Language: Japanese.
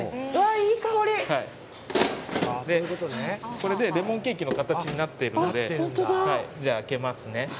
これでレモンケーキの形になっているのでじゃあ開けますね。